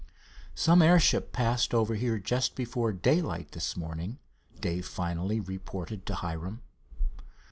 "Some airship passed over here just before daylight this morning," Dave finally reported to Hiram.